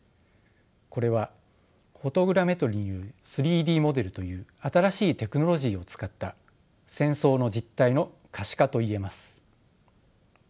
これはフォトグラメトリによる３Ｄモデルという新しいテクノロジーを使った戦争の実態の可視化といえます。